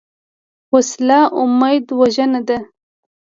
وسله امید وژنه ده